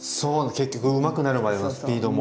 結局うまくなるまでのスピードも。